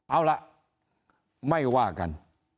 เอาล่ะไม่ว่ากัน